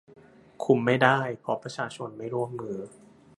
คุมไม่ได้ เพราะประชาชนไม่ร่วมมือ